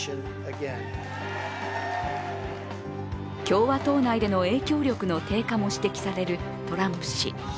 共和党内での影響力の低下も指摘されるトランプ氏。